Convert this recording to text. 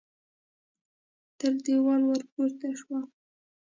تر دېواله ور پورته شو.